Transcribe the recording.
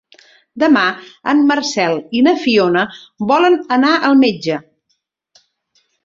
Demà en Marcel i na Fiona volen anar al metge.